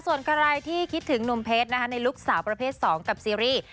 ส่วนใครที่คิดถึงหนุ่มเพชรนะคะในลูกสาวประเภท๒กับซีรีส์